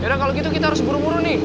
karena kalau gitu kita harus buru buru nih